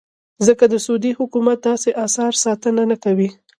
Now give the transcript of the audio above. ځکه د سعودي حکومت داسې اثارو ساتنه نه کوي.